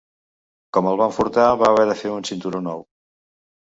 Com el van furtar, van haver de fer un cinturó nou.